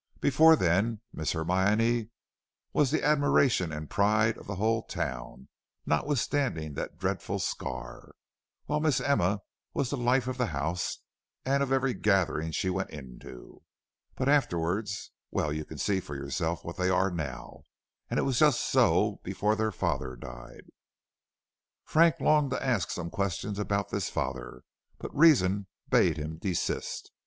Before then Miss Hermione was the admiration and pride of the whole town, notwithstanding that dreadful scar, while Miss Emma was the life of the house and of every gathering she went into. But afterwards well, you can see for yourself what they are now; and it was just so before their father died." Frank longed to ask some questions about this father, but reason bade him desist.